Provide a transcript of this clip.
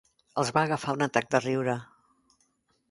Els va agafar un atac de riure.